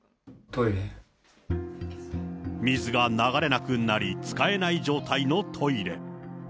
水が流れなくなり、使えない状態のトイレ。